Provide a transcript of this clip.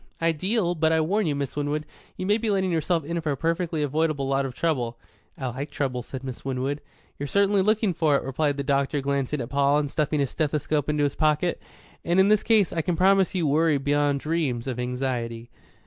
"Ideal. But I warn you, Miss Winwood, you may be letting yourself in for a perfectly avoidable lot of trouble." "I like trouble," said Miss Winwood. "You're certainly looking for it," replied the doctor glancing at Paul and stuffing his stethoscope into his pocket. "And in this case, I can promise you worry beyond dreams of anxiety."